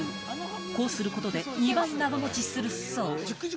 こうすることで２倍長持ちするそう。